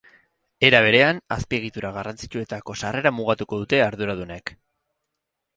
Era berean, azpiegitura garrantzitsuetako sarrera mugatuko dute arduradunek.